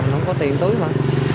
mình không có tiền túi mà